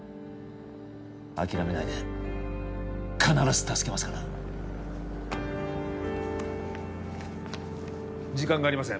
諦めないで必ず助けますから時間がありません